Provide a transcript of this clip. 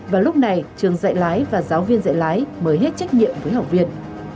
và lúc này trường dạy lái và giáo viên dạy lái mới hết trách nhiệm với học viên